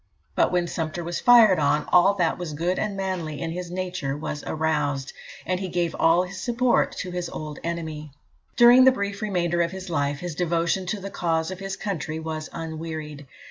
But when Sumter was fired on, all that was good and manly in his nature was aroused, and he gave all his support to his old enemy. "During the brief remainder of his life, his devotion to the cause of his country was unwearied.